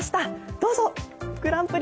どうぞ、グランプリ